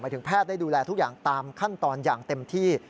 ถึงแพทย์ได้ดูแลทุกอย่างตามขั้นตอนอย่างเต็มที่